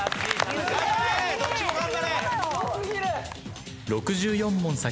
どっちも頑張れ！